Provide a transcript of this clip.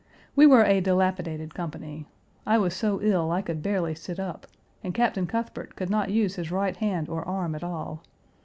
We were a dilapidated company. I was so ill I could barely sit up, and Captain Cuthbert could not use his right hand or arm at all.